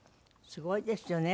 すごいですよね。